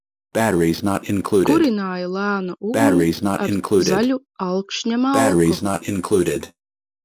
Kurināja lēnu uguni ar zaļu alkšņa malku.